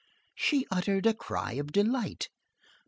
She uttered a cry of delight.